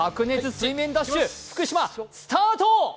水面ダッシュ福島スタート！